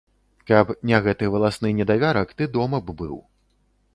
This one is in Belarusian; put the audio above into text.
Каб не гэты валасны недавярак, ты дома б быў.